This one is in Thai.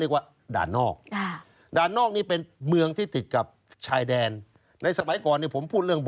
ก็ทางนี้แหละครับผมจะอัพเดทเรื่อง